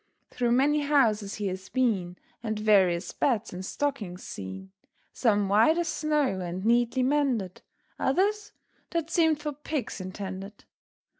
Through many houses he has been, And various beds and stockings seen; Some, white as snow, and neatly mended, Others, that seemed for pigs intended.